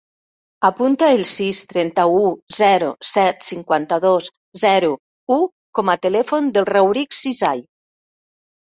Apunta el sis, trenta-u, zero, set, cinquanta-dos, zero, u com a telèfon del Rauric Ceesay.